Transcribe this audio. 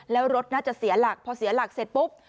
แล้วรถน่าจะเสียหลักพอเสียหลักเสร็จปุ๊บ